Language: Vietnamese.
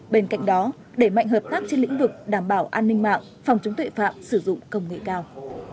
bên cạnh đó đẩy mạnh hợp tác trên lĩnh vực đảm bảo an ninh mạng phòng chống tuệ phạm sử dụng công nghệ cao